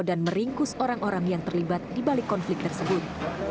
dan meringkus orang orang yang terlibat di balik konflik tersebut